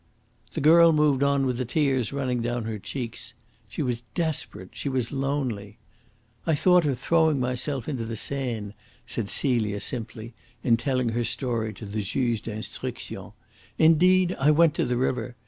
The girl moved on with the tears running down her cheeks. She was desperate, she was lonely. "I thought of throwing myself into the Seine," said Celia simply, in telling her story to the Juge d'Instruction. "Indeed, I went to the river.